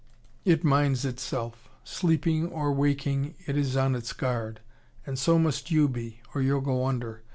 It minds itself. Sleeping or waking it is on its guard. And so must you be, or you'll go under.